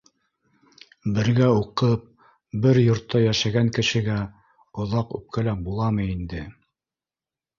Бергә уҡып, бер йортта йәшәгән кешегә оҙаҡ үпкәләп буламы инде?!